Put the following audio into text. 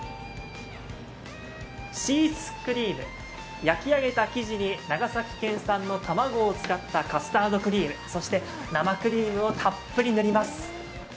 シースクリーム、焼き上げた生地に長崎県産の卵を使ったカスタードクリームそして生クリームをたっぷり塗ります。